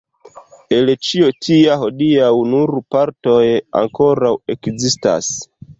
El ĉio tia hodiaŭ nur partoj ankoraŭ ekzistas.